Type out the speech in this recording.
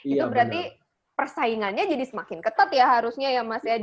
itu berarti persaingannya jadi semakin ketat ya harusnya ya mas yadi